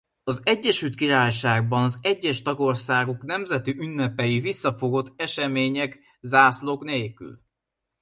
Az Egyesült Királyságban az egyes tagországok nemzeti ünnepei visszafogott események zászlók nélkül.